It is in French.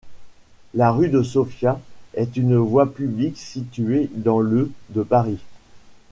La rue de Sofia est une voie publique située dans le de Paris.